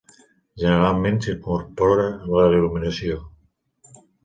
Generalment s'hi incorpora la il·luminació.